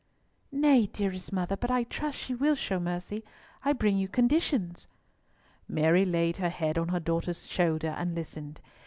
"Nay, dearest mother, but I trust she will show mercy. I bring you conditions." Mary laid her head on her daughter's shoulder and listened.